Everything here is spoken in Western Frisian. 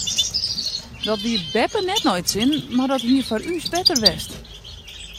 Dat wie beppe net nei it sin mar dat hie foar ús better west.